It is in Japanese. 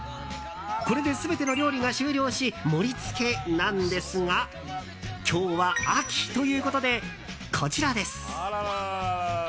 これで全ての料理が終了し盛り付けなんですが今日は秋ということでこちらです。